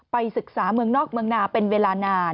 ศึกษาเมืองนอกเมืองนาเป็นเวลานาน